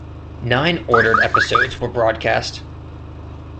Nine ordered episodes were broadcast.